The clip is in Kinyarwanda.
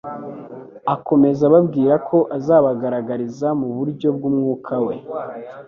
Akomeza ababwira ko azabigaragariza mu buryo bw'umwuka we.